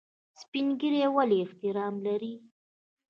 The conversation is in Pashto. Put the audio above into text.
سپین ږیری ولې احترام لري؟